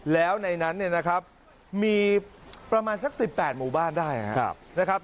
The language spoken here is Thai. แล้วในนั้นมีประมาณสัก๑๘หมู่บ้านได้นะครับ